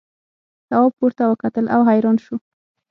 تواب پورته وکتل او حیران شو.